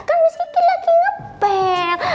kan miss kiki lagi ngebel